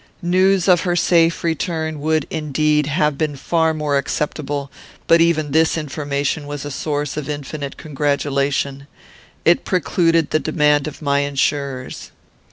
"News of her safe return would, indeed, have been far more acceptable; but even this information was a source of infinite congratulation. It precluded the demand of my insurers.